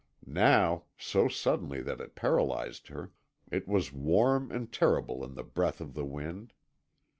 Now, so suddenly that it paralyzed her, it was warm and terrible in the breath of the wind.